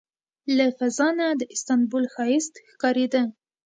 له فضا نه د استانبول ښایست ښکارېده.